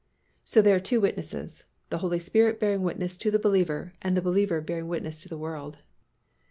So there are two witnesses, the Holy Spirit bearing witness to the believer and the believer bearing witness to the world.